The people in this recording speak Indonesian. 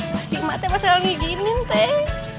masih emak teh pas ngeginin teh